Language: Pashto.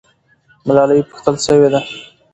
ملالۍ پوښتل سوې ده.